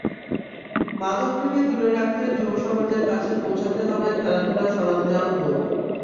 মাদক থেকে দূরে রাখতে যুবসমাজের কাছে পৌঁছাতে হবে খেলাধুলার সরঞ্জাম, বই।